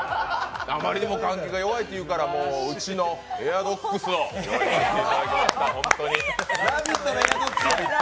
あまりにも換気が弱いというから、うちのエアドックスを用意させていただきました。